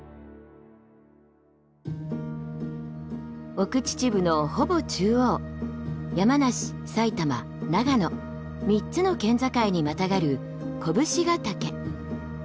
奥秩父のほぼ中央山梨埼玉長野３つの県境にまたがる甲武信ヶ岳。